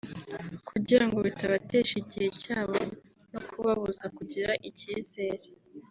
kugira ngo bitabatesha igihe cyabo no kubabuza kugira icyizere